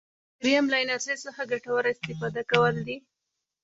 دریم له انرژي څخه ګټوره استفاده کول دي.